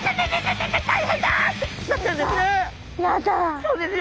そうですよ。